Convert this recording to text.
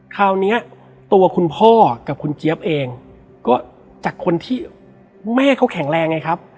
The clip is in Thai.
คราวนี้ตัวคุณพ่อกับคุณเจี๊ยบเองก็จากคนที่แม่เขาแข็งแรงไงครับ